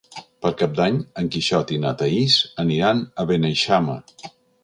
Per Cap d'Any en Quixot i na Thaís aniran a Beneixama.